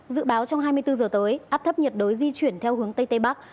dự báo trong hai mươi bốn giờ tới áp thấp nhiệt đới di chuyển theo hướng tây tây bắc